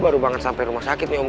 baru banget sampai rumah sakit nih om